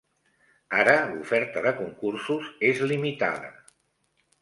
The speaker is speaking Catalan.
Ara l'oferta de concursos és limitada.